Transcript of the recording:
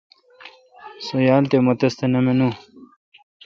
سو یال تھ مہ تس تہ مینو۔